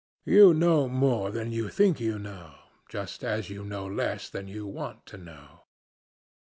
You know more than you think you know, just as you know less than you want to know."